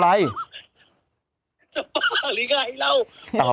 จะบ้าหรือยังไงเรา